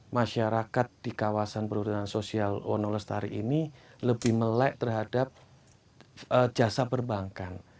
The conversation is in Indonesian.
masyarakat di kawasan perhutanan sosial wonolestari ini lebih melek terhadap jasa perbankan